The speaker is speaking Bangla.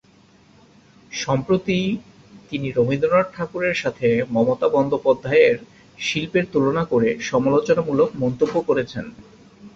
সম্প্রতি, তিনি রবীন্দ্রনাথ ঠাকুরের সাথে মমতা বন্দ্যোপাধ্যায় এর শিল্পের তুলনা করে সমালোচনামূলক মন্তব্য করেছেন।